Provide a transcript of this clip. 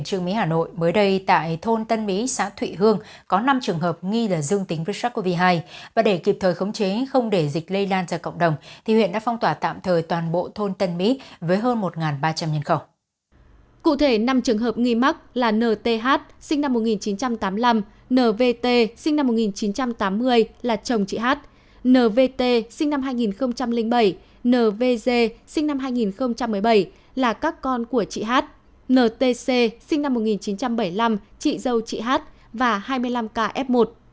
cụ thể năm trường hợp nghi mắc là nth sinh năm một nghìn chín trăm tám mươi năm nvt sinh năm một nghìn chín trăm tám mươi là chồng chị h nvt sinh năm hai nghìn bảy nvg sinh năm hai nghìn một mươi bảy là các con của chị h ntc sinh năm một nghìn chín trăm bảy mươi năm chị dâu chị h và hai mươi năm kf một